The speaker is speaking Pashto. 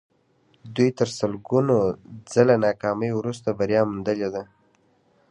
دوی تر سلګونه ځله ناکامیو وروسته بریا موندلې ده